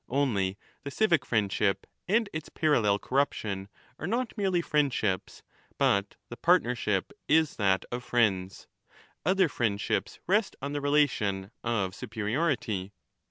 Only the civic friendship and its parallel corruption are not merely , 10 friendships, but the partnership is that of friends;^ other friendships rest on the relation of superiority.